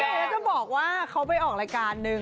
นี่อยากจะบอกว่าเขาไปออกรายการหนึ่ง